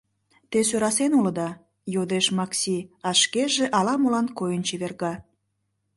— Те сӧрасен улыда? — йодеш Макси, а шкеже ала-молан койын чеверга.